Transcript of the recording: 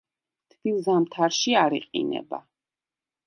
თბილ ზამთარში არ იყინება.